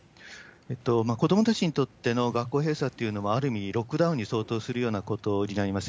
子どもたちにとっての学校閉鎖っていうのは、ある意味ロックダウンに相当するようなことになります。